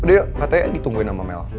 udah giyo katanya ditungguin sama mel